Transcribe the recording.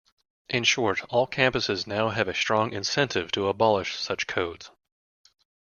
In short, all campuses now have a strong incentive to abolish such codes.